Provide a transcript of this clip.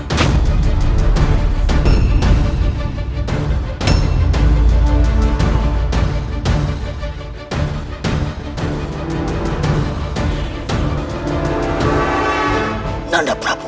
ini semua gara gara nenek